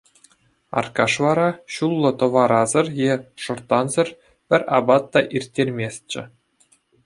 Аркаш вара ҫуллӑ тӑварасӑр е шӑрттансӑр пӗр апат та ирттерместчӗ.